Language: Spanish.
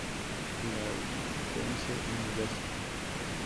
Lawrence University.